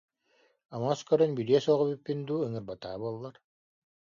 Омос көрөн билиэ суох эбиппин дуу, ыҥырбатаҕа буоллар